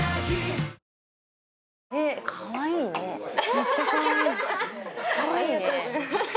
めっちゃかわいい。